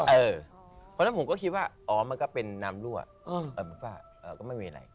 เพราะฉะนั้นผมก็คิดว่าอ๋อมันก็เป็นน้ำรั่วก็ไม่มีอะไร